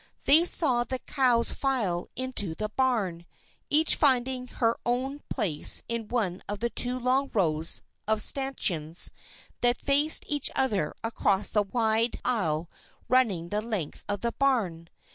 They saw the cows file into the barn, each finding her own place in one of the two long rows of stanchions that faced each other across the wide aisle running the length of the barn.